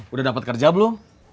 udah dapet kerja belum